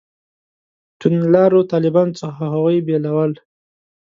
توندلارو طالبانو څخه هغوی بېلول.